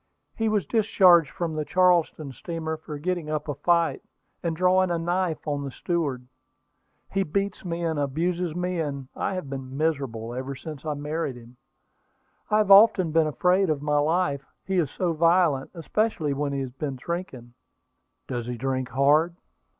"He was discharged from the Charleston steamer for getting up a fight, and drawing a knife on the steward. He beats me and abuses me, and I have been miserable ever since I married him. I have often been afraid of my life, he is so violent, especially when he has been drinking." "Does he drink hard?"